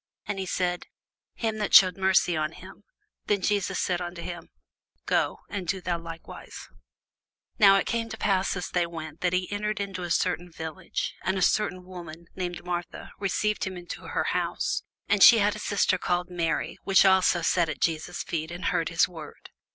And he said, He that shewed mercy on him. Then said Jesus unto him, Go, and do thou likewise. [Sidenote: St. Luke 10] Now it came to pass, as they went, that he entered into a certain village: and a certain woman named Martha received him into her house. And she had a sister called Mary, which also sat at Jesus' feet, and heard his word.